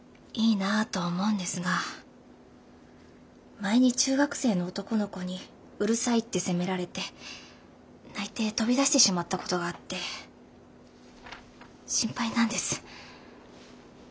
前に中学生の男の子にうるさいって責められて泣いて飛び出してしまったことがあって心配なんです。